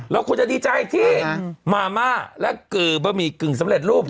เราควรจะดีใจที่อือฮะมาม่าแล้วก็บ้ะหมี่กึ่งสำเร็จรูป